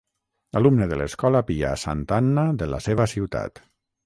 Alumne de l'Escola Pia Santa Anna de la seva ciutat.